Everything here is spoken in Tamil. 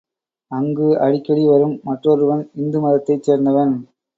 அங்கு அடிக்கடி வரும் மற்றொருவன் இந்து மதத்தைச் சேர்ந்தவன்.